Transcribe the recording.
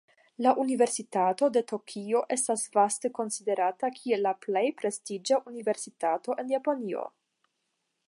La Universitato de Tokio estas vaste konsiderata kiel la plej prestiĝa universitato en Japanio.